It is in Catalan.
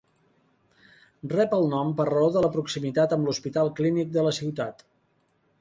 Rep el nom per raó de la proximitat amb l'Hospital Clínic de la ciutat.